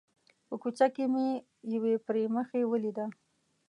په کوڅه کې مې یوې پري مخې ولیده.